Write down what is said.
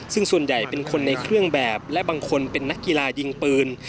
ซึ่งส่วนใหญ่เป็นคนในเครื่องแบบและบางคนเป็นนักกีฬายิงปืน